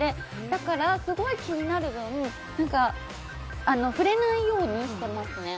だから、すごい気になる分触れないようにしてますね。